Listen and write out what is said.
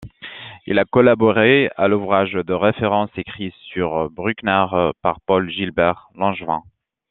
Il a collaboré à l'ouvrage de référence écrit sur Bruckner par Paul-Gilbert Langevin.